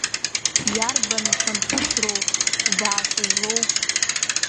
Иарбан мшәан хәыцроу Гәбаа сызлоу?